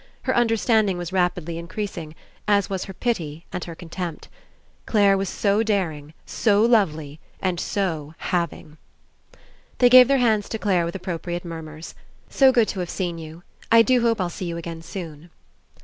Her understanding was rapidly increasing, as was her pity and her contempt. Clare was so daring, so lovely, and so "having." They gave their hands to Clare with appropriate murmurs. "So good to have seen you." ... "I do hope I'll see you again soon."